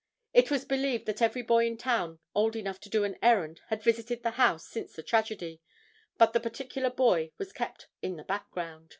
It was believed that every boy in town old enough to do an errand had visited the house since the tragedy, but the particular boy has kept in the background.